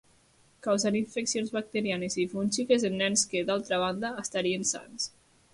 Causant infeccions bacterianes i fúngiques en nens que, d'altra banda, estarien sans.